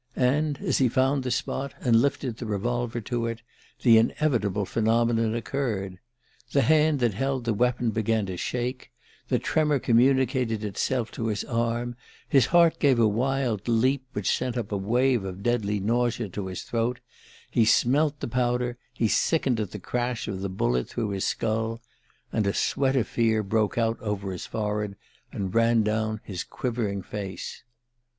And as he found the spot, and lifted the revolver to it, the inevitable phenomenon occurred. The hand that held the weapon began to shake, the tremor communicated itself to his arm, his heart gave a wild leap which sent up a wave of deadly nausea to his throat, he smelt the powder, he sickened at the crash of the bullet through his skull, and a sweat of fear broke out over his forehead and ran down his quivering face...